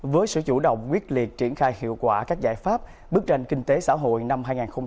với sự chủ động quyết liệt triển khai hiệu quả các giải pháp bước trên kinh tế xã hội năm hai nghìn hai mươi ba